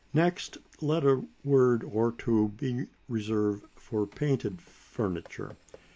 Next let a word or two be reserved for Painted Furniture.